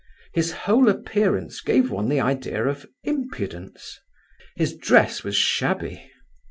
His whole appearance gave one the idea of impudence; his dress was shabby.